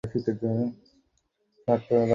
তিনি এ লাঠি দ্বারা মূর্তিগুলো চূর্ণ করতে শুরু করেন।